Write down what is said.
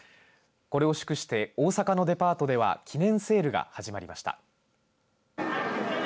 これを祝して大阪のデパートでは記念セールが始まりました。